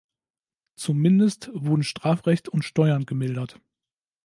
Zumindest wurden Strafrecht und Steuern gemildert.